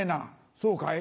「そうかい」。